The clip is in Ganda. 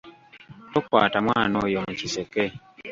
Tokwata mwana oyo mu kiseke.